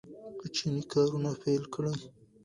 کوچني کارونه پیل کړئ.